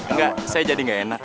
enggak saya jadi nggak enak